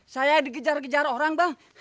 saya dikejar kejar orang bang